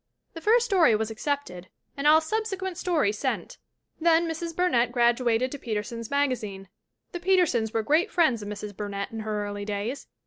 "The first story was accepted and all subsequent stories sent. Then Mrs. Burnett graduated to Peter sons Magazine. The Petersons were great friends of Mrs. Burnett in her early days.